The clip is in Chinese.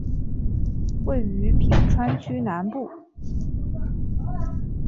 位于品川区南部。